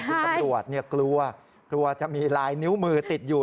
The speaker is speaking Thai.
ตำรวจกลัวจะมีลายนิ้วมือติดอยู่